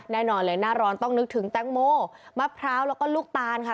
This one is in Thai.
แน่นอนเลยหน้าร้อนต้องนึกถึงแตงโมมะพร้าวแล้วก็ลูกตาลค่ะ